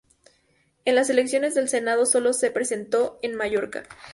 En las elecciones al Senado, sólo se presentó en Mallorca.